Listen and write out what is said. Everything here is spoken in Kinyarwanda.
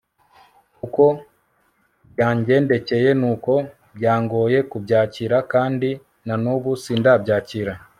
uko byangendekeye nuko byangoye kubyakira kandi nanubu sindabyakira